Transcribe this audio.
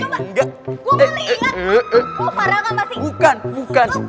iya kalian ini bisa edokasi pake